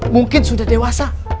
mungkin sudah dewasa